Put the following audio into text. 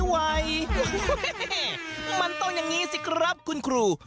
ไหวมันต้องอย่างนี้สิครับคุณครู